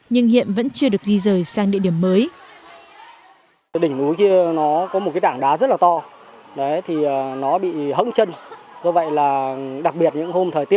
nhưng hiện vẫn chưa được di rời sang địa điểm mới